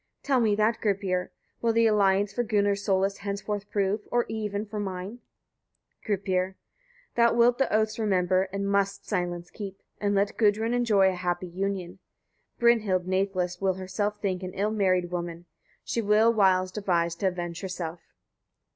Tell me that, Gripir! Will the alliance for Gunnar's solace henceforth prove, or even for mine? Gripir. 45. Thou wilt the oaths remember, and must silence keep, and let Gudrun enjoy a happy union. Brynhild nathless will herself think an ill married woman. She will wiles devise to avenge herself.